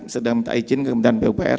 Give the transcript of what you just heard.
sedang minta izin ke kemudian pupr